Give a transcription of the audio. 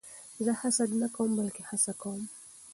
زه حسد نه کوم؛ بلکې هڅه کوم.